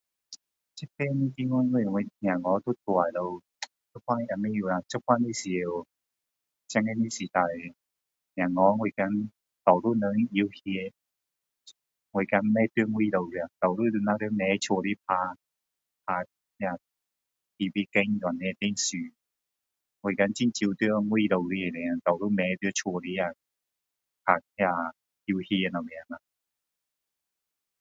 这边地方小孩都大了现在也不懂啦现在的世界现在的时代小孩我怕多数人游戏我怕不会在外面的多数都会躲在家打 TV game 这样的游戏我怕很少在外面多数躲在家打那个游戏什么